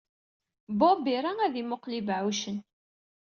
Bob ira ad yemmuqqel ibeɛɛucen.